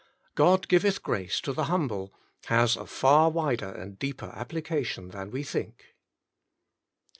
"GTod giveth grace to the humble" has a far wider and deeper application than we think.